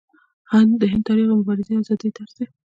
د هند تاریخ د مبارزې او ازادۍ درس دی.